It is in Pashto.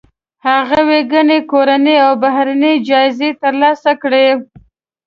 هغې ګڼې کورنۍ او بهرنۍ جایزې ترلاسه کړي.